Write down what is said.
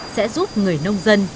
sẽ giúp người nông dân